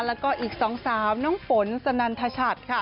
แล้วก็อีกสองสาวน้องฝนสนันทชัดค่ะ